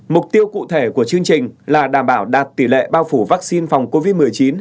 mục tiêu cụ thể của chương trình là đảm bảo đạt tỷ lệ bao phủ vaccine phòng covid một mươi chín